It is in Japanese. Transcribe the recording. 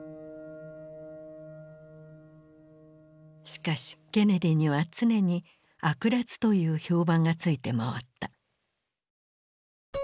しかしケネディには常に悪辣という評判がついて回った。